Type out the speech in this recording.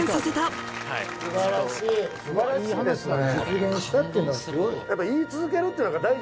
素晴らしいですね。